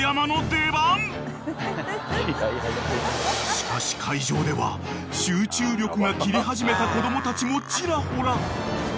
［しかし会場では集中力が切れ始めた子供たちもちらほら］